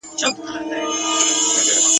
د مرګ په خوب به چېرته ویده یم ..